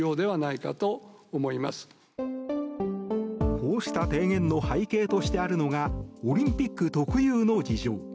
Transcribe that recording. こうした提言の背景としてあるのがオリンピック特有の事情。